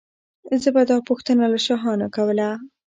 زه به دا پوښتنه له شاهانو کوله.